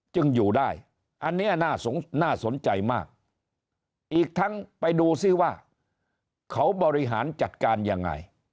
จึงอยู่ได้อันนี้น่าสนใจมากอีกทั้งไปดูซิว่าเขาบริหารจัดการยังไง